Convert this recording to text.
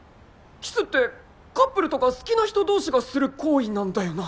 キスってカップルとか好きな人同士がする行為なんだよな